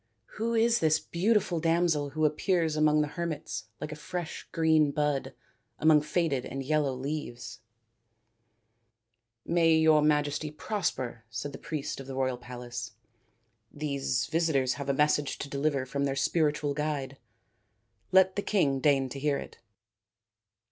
" Who is this beauti ful damsel who appears among the hermits like a fresh green bud among faded and yellow leaves ?"" May Your Majesty prosper/' said the priest of the royal palace. " These visitors have a message to deliver from their spiritual guide. Let the King deign to hear it."